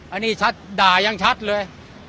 อันนี้ชัดด่ายังชัดเลย